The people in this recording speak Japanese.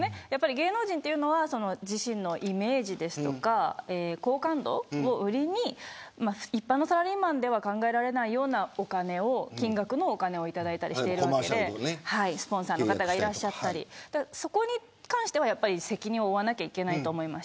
芸能人というのは自身のイメージとか高感度を売りに一般のサラリーマンでは考えられないようなお金をいただいているわけでスポンサーの方がいたりそこに関しては責任を負わなきゃいけないと思います。